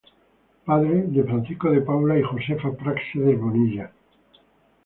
Padre de Francisco de Paula y Josefa Práxedes Bonilla.